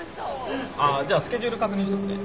ああじゃあスケジュール確認しとくね。